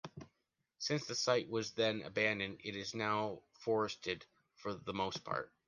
Since the site was then abandoned, it is now forested for the most part.